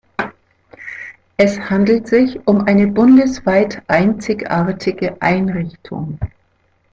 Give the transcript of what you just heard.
Es handelt sich um eine bundesweit einzigartige Einrichtung.